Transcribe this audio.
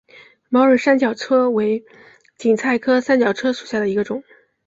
毛蕊三角车为堇菜科三角车属下的一个种。